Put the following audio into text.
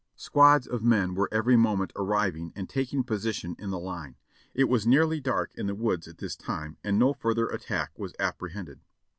Squads of men were every moment arriving and taking position in the line. It was nearly dark in the woods at this time, and no further attack was apprehended.